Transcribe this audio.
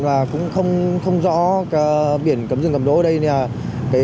và cũng không rõ biển cấm rừng cấm đỗ ở đây nè